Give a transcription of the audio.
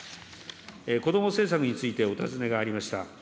子ども政策について、お尋ねがありました。